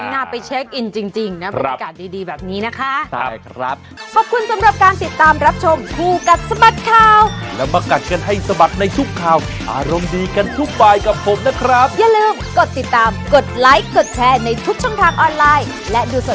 น่าไปเช็คอินจริงนะบรรยากาศดีแบบนี้นะคะ